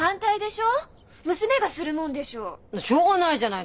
しょうがないじゃない。